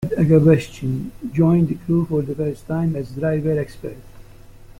Fred Agabashian joined the crew for the first time as driver expert.